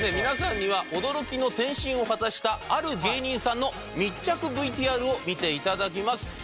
皆さんには驚きの転身を果たしたある芸人さんの密着ＶＴＲを見ていただきます。